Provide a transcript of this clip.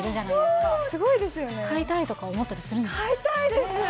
すごいですよね飼いたいとか思ったりするんですか？